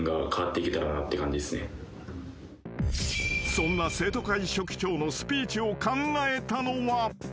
［そんな生徒会書記長のスピーチを考えたのは］